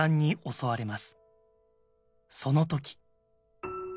その時。